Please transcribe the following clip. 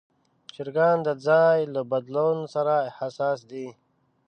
چرګان د ځای له بدلون سره حساس دي.